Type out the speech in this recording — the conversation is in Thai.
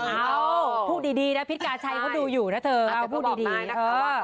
เขาพูดดีนะพิษกระชัยเขาดูอยู่นะเธออะพูดดีอาจเป็นต้องบอกได้นะคะ